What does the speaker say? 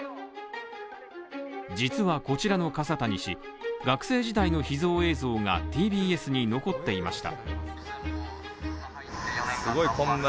実はこちらの笠谷氏、学生時代の秘蔵映像がＴＢＳに残っていました。